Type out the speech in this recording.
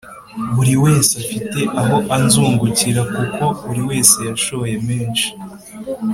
Buri wese afite aho anzungukira kuko buriwese yashoye menshi